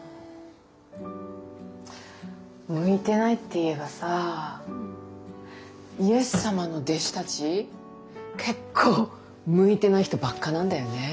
向いてないっていえばさイエス様の弟子たち結構向いてない人ばっかなんだよね。